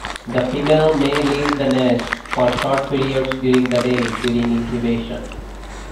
The female may leave the nest for short periods during the day during incubation.